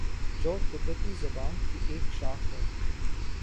جو تبتی زبان کی ایک شاخ ہے